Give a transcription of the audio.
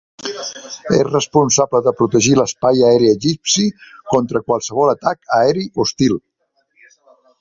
És responsable de protegir l'espai aeri egipci contra qualsevol atac aeri hostil.